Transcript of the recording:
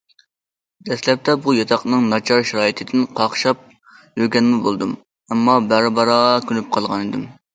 دەسلەپتە بۇ ياتاقنىڭ ناچار شارائىتىدىن قاقشاپ يۈرگەنمۇ بولدۇم، ئەمما بارا- بارا كۆنۈپ قالغانىدىم.